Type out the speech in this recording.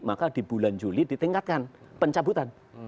maka di bulan juli ditingkatkan pencabutan